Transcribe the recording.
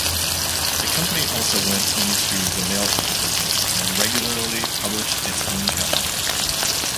The company also went into the mail-order business and regularly published its own catalogs.